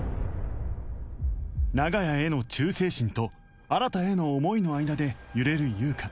長屋への忠誠心と新への思いの間で揺れる優香